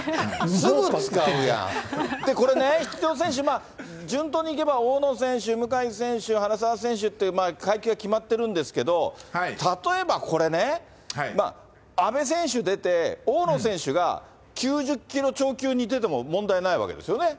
すぐ使うやん、これね、出場選手、順当にいけば、大野選手、向選手、原沢選手って、階級が決まってるんですけど、例えば、これね、阿部選手出て、大野選手が９０キロ超級に出ても問題ないわけですよね。